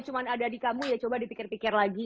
cuma ada di kamu ya coba dipikir pikir lagi